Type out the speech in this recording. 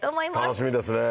楽しみですね